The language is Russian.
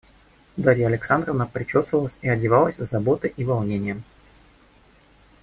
Дарья Александровна причесывалась и одевалась с заботой и волнением.